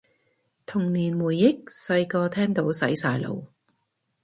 童年回憶，細個聽到洗晒腦